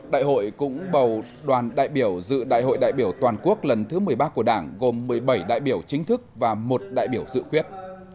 đại hội cũng bầu đoàn đại biểu dự đại hội đại biểu toàn quốc lần thứ một mươi ba của đảng gồm một mươi bảy đại biểu chính thức và một đại biểu dự quyết